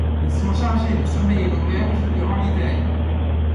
Ils sont chargés de surveiller l’auberge durant l’hiver.